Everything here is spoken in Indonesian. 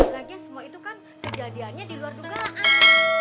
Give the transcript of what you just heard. lagian semua itu kan kejadiannya di luar dugaan